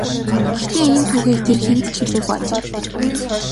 Гэхдээ энэ түүхийг тэр хэнд ч хэлээгүй ажээ.